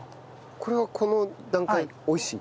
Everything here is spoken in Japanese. これはこの段階美味しい？